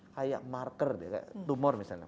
kayak marker tumor misalnya